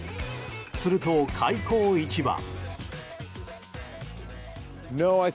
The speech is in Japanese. すると開口一番。